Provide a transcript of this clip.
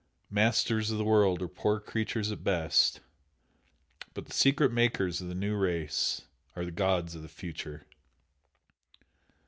"Masters of the world" are poor creatures at best, but the secret Makers of the New Race are the gods of the Future!